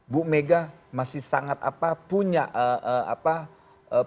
bu mega masih sangat punya pertimbangan dalam hal itu